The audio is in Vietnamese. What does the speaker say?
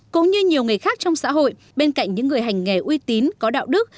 cũng như nhiều người khác trong xã hội bên cạnh những người hành nghề uy tín có đạo đức